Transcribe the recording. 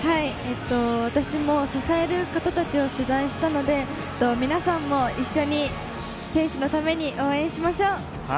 私も支える方たちを取材したので皆さんも一緒に選手のために応援しましょう。